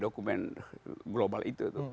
dokumen global itu